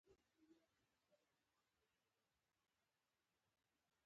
آیا ایران د اورګاډي پټلۍ نه پراخوي؟